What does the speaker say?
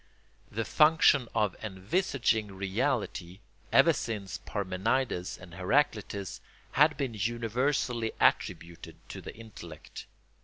The function of envisaging reality, ever since Parmenides and Heraclitus, had been universally attributed to the intellect.